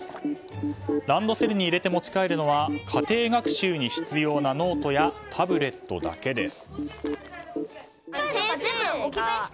ランドセルに入れて持ち帰るのは家庭学習に必要なノートやタブレットだけです。